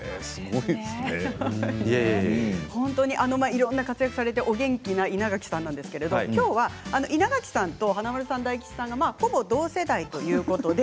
いろいろな活躍をされてお元気な稲垣さんなんですけれどもきょうは稲垣さんと華丸さん大吉さん３人ほぼ同世代ということで。